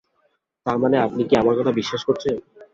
তার মানে আপনি কি আমার কথা বিশ্বাস করছেন?